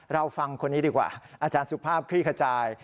เราฟังคนนี้ดีกว่าอาจารย์สุภาพคลี่ขจาย